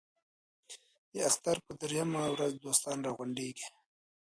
د اختر په درېیمه ورځ دوستان را غونډېږي.